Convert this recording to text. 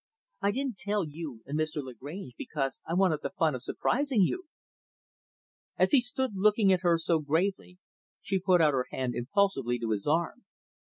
I didn't tell you and Mr. Lagrange because I wanted the fun of surprising you." As he stood looking at her so gravely, she put out her hand impulsively to his arm.